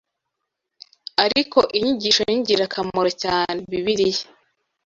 Ariko inyigisho y’ingirakamaro cyane Bibiliya